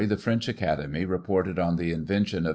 the French Academy re ported on the invention of M.